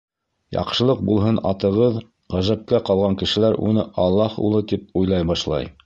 Яҡшылыҡ булһын атығыҙ, Ғәжәпкә ҡалған кешеләр уны Аллаһ улы тип уйлай башлай.